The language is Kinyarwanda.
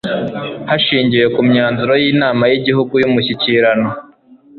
Hashingiwe ku myanzuro y Inama y Igihugu y Umushyikiran